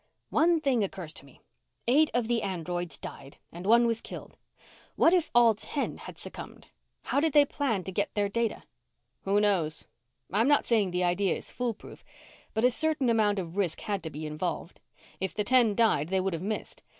"One thing occurs to me. Eight of the androids died and one was killed. What if all ten had succumbed? How did they plan to get their data?" "Who knows? I'm not saying the idea is foolproof. But a certain amount of risk had to be involved. If the ten died, they would have missed.